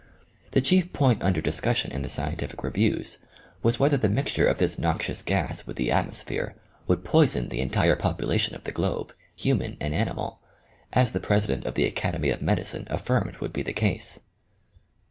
The chief point under discussion in the scientific reviews OMEGA. 23 was whether the mixture of this noxious gas with the atmosphere would poison the entire population of the globe, human and animal, as the president of the academy of medicine affirmed would be the case.